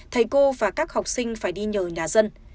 thầy cô và các học sinh phải đi nhờ nhà dân